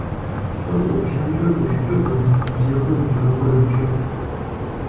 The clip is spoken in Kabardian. ЛӀыр уӀуплъэнкӀэ гущыкӀыгъуэт, и бзэгур мыкӀэрэхъуэжу чэфт.